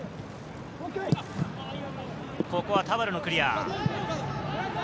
ここは田原のクリア。